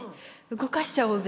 動かしちゃおうぜ。